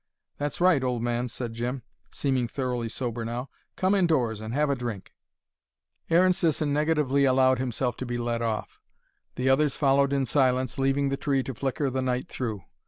"That's right, old man," said Jim, seeming thoroughly sober now. "Come indoors and have a drink." Aaron Sisson negatively allowed himself to be led off. The others followed in silence, leaving the tree to flicker the night through.